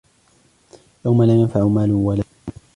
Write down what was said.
يَوْمَ لَا يَنْفَعُ مَالٌ وَلَا بَنُونَ